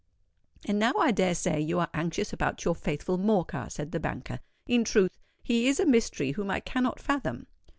"And now I dare say you are anxious about your faithful Morcar," said the banker. "In truth, he is a mystery whom I cannot fathom.